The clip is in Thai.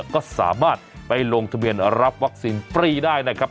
ก็สามารถไปลงทะเบียนรับวัคซีนฟรีได้นะครับ